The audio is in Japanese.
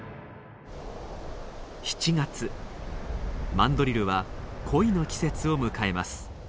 マンドリルは恋の季節を迎えます。